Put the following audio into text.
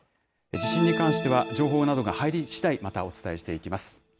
地震に関しては情報などが入りしだい、またお伝えしていきます。